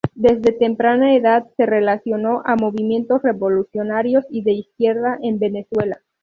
Desde temprana edad se relacionó a movimientos revolucionarios y de izquierda en Venezuela.